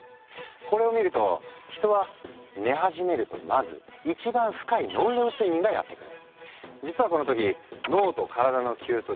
これを見ると人は寝始めるとまず一番深いノンレム睡眠がやって来る。